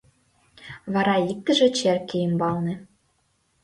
Вара иктыже черке ӱмбалне: